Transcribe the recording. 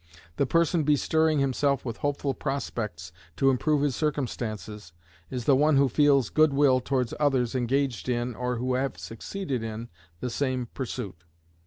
The person bestirring himself with hopeful prospects to improve his circumstances is the one who feels good will towards others engaged in, or who have succeeded in the same pursuit.